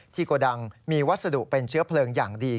โกดังมีวัสดุเป็นเชื้อเพลิงอย่างดี